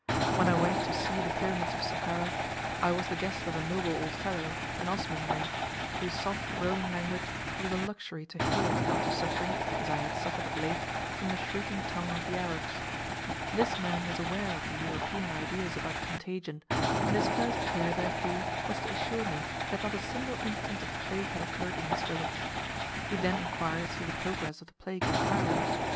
When I went to see the pyramids of Sakkara I was the guest of a noble old fellow, an Osmanlee, whose soft rolling language it was a luxury to hear after suffering, as I had suffered of late, from the shrieking tongue of the Arabs. This man was aware of the European ideas about contagion, and his first care therefore was to assure me that not a single instance of plague had occurred in his village. He then inquired as to the progress of the plague at Cairo.